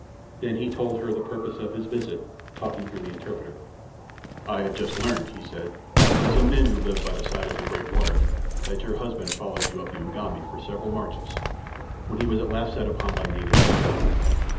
Then he told her the purpose of his visit, talking through the interpreter. "I have just learned," he said, "from some men who live by the side of the great water, that your husband followed you up the Ugambi for several marches, when he was at last set upon by natives and killed.